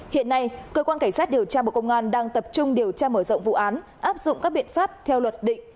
hiện nay cơ quan cảnh sát điều tra bộ công an đang tập trung điều tra mở rộng vụ án áp dụng các biện pháp theo luật định